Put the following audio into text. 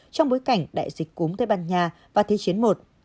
trong bối cảnh đại dịch cúm tây ban nha và thế chiến i